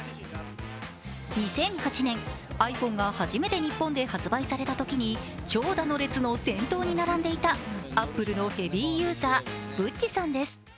２００８年、ｉＰｈｏｎｅが初めて日本で発売されたときに長蛇の列の先頭に並んでいたアップルのヘビーユーザー、ＢＵＴＣＨさんです。